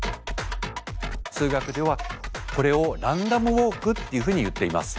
数学ではこれをランダムウォークっていうふうにいっています。